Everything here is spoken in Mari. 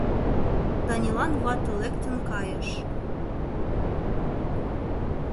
Танилан вате лектын кайыш.